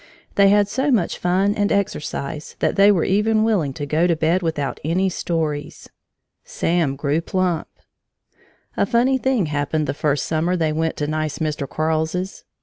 They had so much fun and exercise that they were even willing to go to bed without any stories. Sam grew plump. A funny thing happened the first summer they went to nice Mr. Quarles's. Mrs.